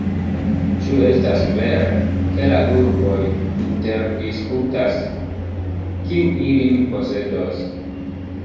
Ĉu estas vere, ke la urboj interdisputas, kiu ilin posedos?